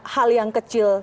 hal yang kecil